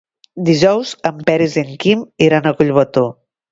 Dijous en Peris i en Quim iran a Collbató.